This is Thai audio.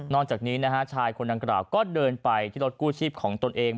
จากนี้นะฮะชายคนดังกล่าวก็เดินไปที่รถกู้ชีพของตนเอง